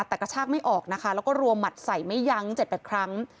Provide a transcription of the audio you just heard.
แต่กระชากไม่ออกนะคะแล้วก็รวมหมัดใส่ไม่ยั้ง๗๘ครั้ง